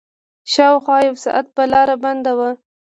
شاوخوا يو ساعت به لاره بنده وه.